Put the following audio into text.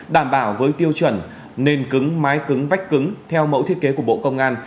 đảm bảo với tiêu chuẩn nên cứng mái cứng vách cứng theo mẫu thiết kế của bộ công an